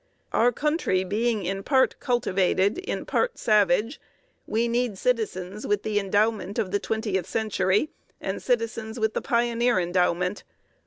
Our country being in part cultivated, in part savage, we need citizens with the endowment of the twentieth century, and citizens with the pioneer endowment.